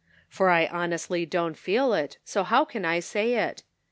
" For I honestly don't feel it, so how can I say it?"